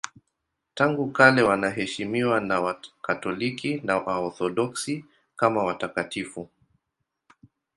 Tangu kale wanaheshimiwa na Wakatoliki na Waorthodoksi kama watakatifu.